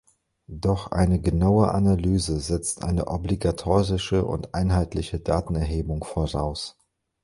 Doch eine genaue Analyse setzt eine obligatorische und einheitliche Datenerhebung voraus.